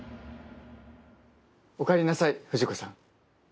おかえりなさい藤子さん。